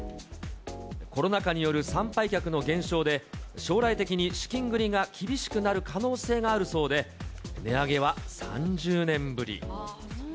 コロナ禍による参拝客の減少で、将来的に資金繰りが厳しくなる可能性があるそうで、値上げは３０年ぶり。